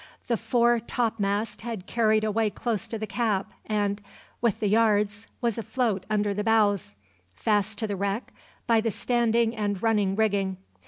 The fore topmast had carried away close to the cap and, with the yards, was afloat under the bows, fast to the wreck by the standing and running rigging.